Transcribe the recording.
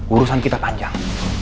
urusan kita panjang